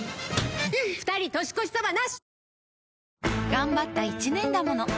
がんばった一年だもの。